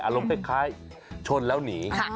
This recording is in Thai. อารมณ์คล้ายชนแล้วหนี